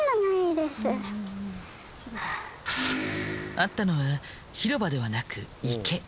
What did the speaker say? あったのは広場ではなく池。